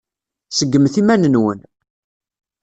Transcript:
Seggmet iman-nwen.